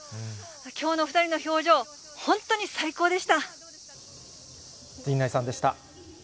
きょうの２人の表情、本当に最高陣内さんでした。